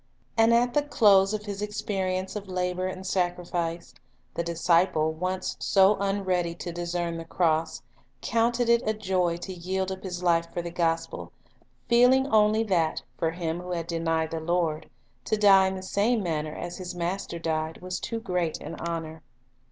And at the close of his experience of labor and sacrifice, the disciple once so unready to discern the cross, counted it a joy to yield up his life for the 'Mark 16:7. '^Jolm 21:17,62. An Illustration of His Methods 91 gospel, feeling only that, for him who had denied the Lord, to die in the same manner as his Master died was too great an honor.